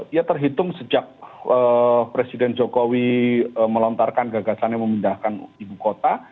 ya terhitung sejak presiden jokowi melontarkan gagasannya memindahkan ibu kota